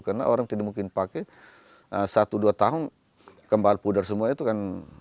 karena orang tidak mungkin pakai satu dua tahun kembal pudar semua itu kan